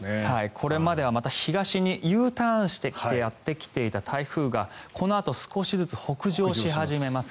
これまでは東にＵターンしてやってきていた台風６号はこのあと少しずつ北上し始めます。